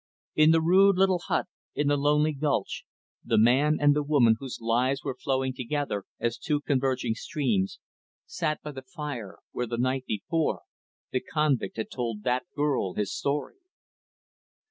In the rude little hut, in the lonely gulch, the man and the woman whose lives were flowing together as two converging streams, sat by the fire, where, the night before, the convict had told that girl his story.